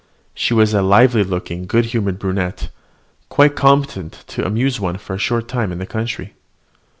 She was a lively looking, good humoured brunette, quite competent to amuse one for a short time in the country.